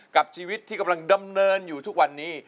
กับชีวิตที่กำลังดำเนินอยู่ทุกวันนี้